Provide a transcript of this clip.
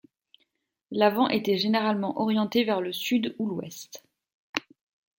L'avant était généralement orienté vers le sud ou l'ouest.